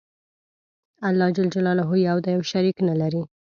الله ج یو دی او شریک نلری.